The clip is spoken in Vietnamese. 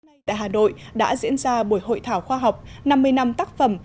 hôm nay tại hà nội đã diễn ra buổi hội thảo khoa học năm mươi năm tác phẩm